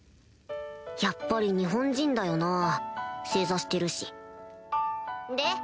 やっぱり日本人だよな正座してるしで？